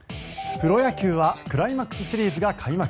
プロ野球はクライマックスシリーズが開幕。